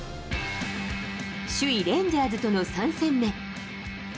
首位レンジャーズとの３戦目。